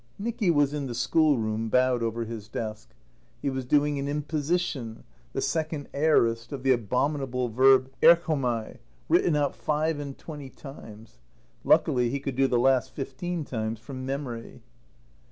Nicky was in the schoolroom, bowed over his desk. He was doing an imposition, the second aorist of the abominable verb [Greek: erchomai], written out five and twenty times. (Luckily he could do the last fifteen times from memory.)